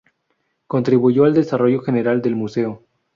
Contribuyó al desarrollo general del museo.